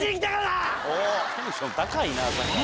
テンション高いな朝から。